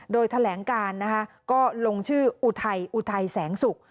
โดยแถลงการนะคะก็ลงชื่ออุทัยอุทัยแสงสุก